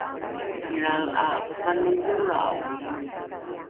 ilrae ’a vanidholrao